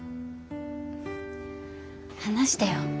話してよ。